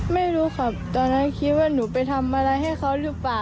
ไม่รู้ครับตอนนั้นคิดว่าหนูไปทำอะไรให้เขาหรือเปล่า